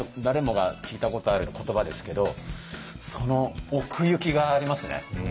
誰もが聞いたことある言葉ですけどその奥行きがありますね。